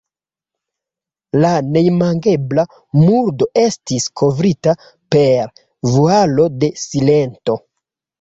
La neimagebla murdo estis kovrita per vualo de silento.